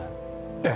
ええ。